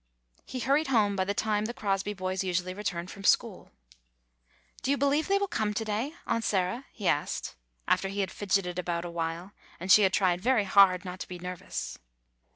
He hurried home by the time the Crosby boys usually returned from school. "Do you believe they will come to day. Aunt Sarah?" he asked, after he had fidgeted about awhile, and she had tried very hard not to be nervous.